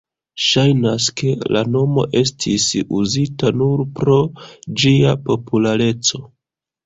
Ŝajnas, ke la nomo estis uzita nur pro ĝia populareco.